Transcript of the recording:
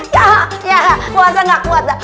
ya ya kuasa gak kuasa